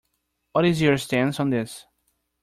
What is your stance on this?